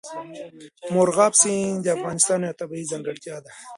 مورغاب سیند د افغانستان یوه طبیعي ځانګړتیا ده.